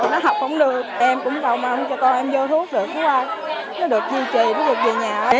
nó học không được em cũng bảo mong cho con em vô thuốc được nó được thi trì nó được về nhà